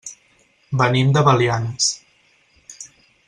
Venim de Belianes.